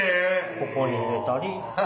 ここに入れたり。